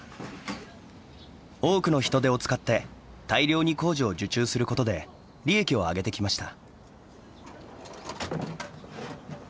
多くの人手を使って大量に工事を受注することで利益を上げてきました。